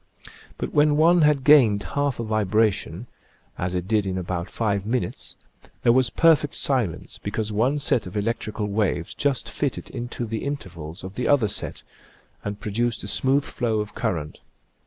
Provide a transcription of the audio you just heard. But when one had gained half a vibration, as it did in about five minutes, there was perfect silence, because one set of electrical waves just fitted into the intervals of the other set and produced a smooth flow of current.